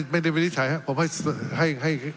ไม่ได้วินิจฉัยผมให้